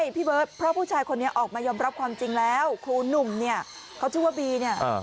พี่เบิร์ตเพราะผู้ชายคนนี้ออกมายอมรับความจริงแล้วครูหนุ่มเนี่ยเขาชื่อว่าบีเนี่ย